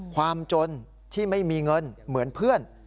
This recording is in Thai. ความจนที่ไม่มีเงินเหมือนเพื่อน